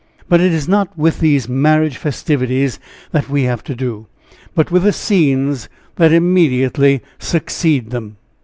But it is not with these marriage festivities that we have to do, but with the scenes that immediately succeed them.